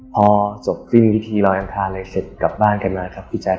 พอจบพิธีล้วยอ่านทางเลยเสร็จกลับบ้านกันมาครับพี่แชท